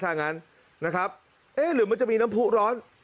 ถ้างั้นนะครับเอ๊ะหรือมันจะมีน้ำผู้ร้อน